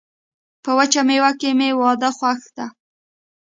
په وچه میوه کي مي واده خوښ ده.